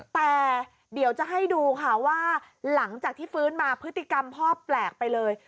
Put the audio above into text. แต่เดี๋ยวจะให้ดูค่ะว่าหลังจากที่ฟื้นมาพฤติกรรมพ่อแปลกไปเลย